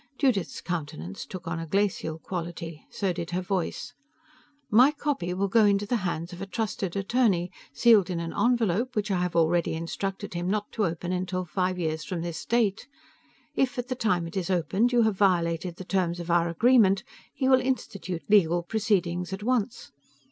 Judith's countenance took on a glacial quality. So did her voice. "My copy will go into the hands of a trusted attorney, sealed in an envelope which I have already instructed him not to open till five years from this date. If, at the time it is opened, you have violated the terms of our agreement, he will institute legal proceedings at once.